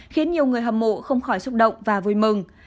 khiến nhiều người hâm mộ không khỏi xúc động và vui mừng